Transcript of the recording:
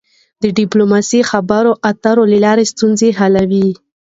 ډيپلوماسي د خبرو اترو له لاري ستونزي حلوي.